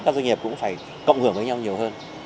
các doanh nghiệp cũng phải cộng hưởng với nhau nhiều hơn